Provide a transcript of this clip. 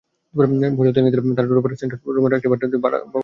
বছর তিনেক ধরে তাঁরা টুটপাড়া সেন্ট্রাল রোডের একটি বাড়িতে ভাড়া থাকেন।